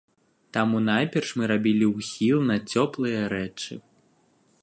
Таму найперш мы рабілі ўхіл на цёплыя рэчы.